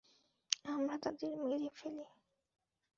আমরা তাদের মেরে ফেলি।